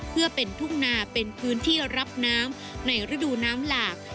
เพื่อเป็นทุ่งนาเป็นพื้นที่รับน้ำในฤดูน้ำหลาก